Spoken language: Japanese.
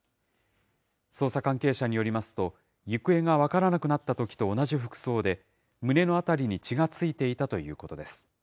捜査関係者によりますと、行方が分からなくなったときと同じ服装で、胸のあたりに血がついていたということです。